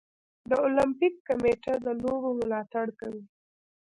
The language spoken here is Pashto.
د المپیک کمیټه د لوبو ملاتړ کوي.